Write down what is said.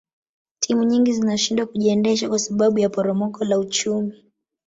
timu nyingi zinashindwa kujiendesha kwa sababu ya poromoko la uchumi